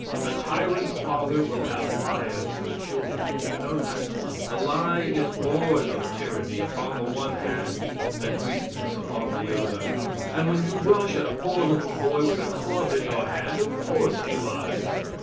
A tyrant father will have liars for children; do you know that? A lie is born of tyranny upon the one hand and weakness upon the other, and when you rush at a poor little boy with a club in your hand, of course he lies.